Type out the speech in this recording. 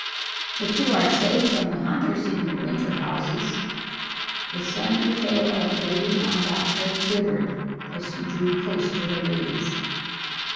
"But you are safe from the hunters in your winter houses?" The slender tail of the Lady Ondatra quivered as she drew closer to her babies.